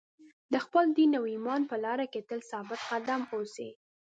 د خپل دین او ایمان په لار کې تل ثابت قدم اوسئ.